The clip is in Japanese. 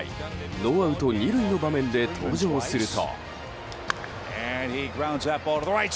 ノーアウト２塁の場面で登場すると。